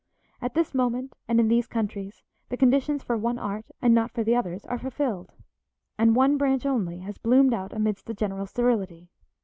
At this moment, and in these countries, the conditions for one art and not for the others are fulfilled, and one branch only has bloomed out amidst the general sterility.